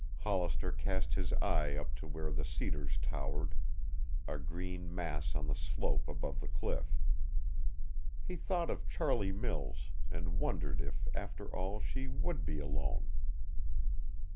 Hollister cast his eye up to where the cedars towered, a green mass on the slope above the cliff. He thought of Charlie Mills and wondered if after all she would be alone.